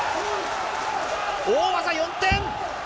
大技４点。